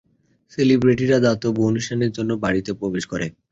সেলিব্রেটিরা দাতব্য প্রতিষ্ঠানের জন্য বাড়িতে প্রবেশ করে।